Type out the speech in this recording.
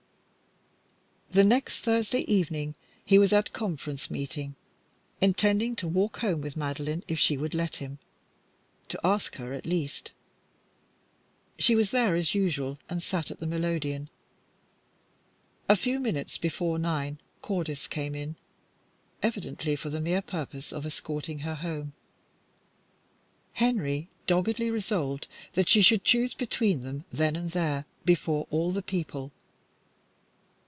The next Thursday evening he was at conference meeting, intending to walk home with Madeline if she would let him; to ask her, at least. She was there, as usual, and sat at the melodeon. A few minutes before nine Cordis came in, evidently for the mere purpose of escorting her home. Henry doggedly resolved that she should choose between them then and there, before all the people.